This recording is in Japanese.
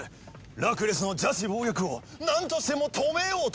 ラクレスの邪智暴虐をなんとしても止めようと。